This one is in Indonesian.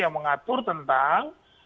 yang mengatur tentang